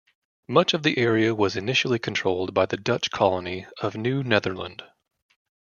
Much of the area was initially controlled by the Dutch colony of New Netherland.